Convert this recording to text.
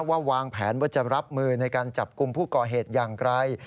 วางแผนว่าจะรับมือในการจับกลุ่มผู้ก่อเหตุอย่างไร